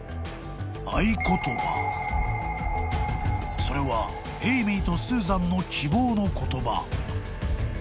［それはエイミーとスーザンの希望の言葉］